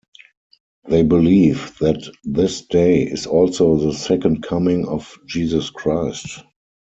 They believe that this day is also the Second Coming of Jesus Christ.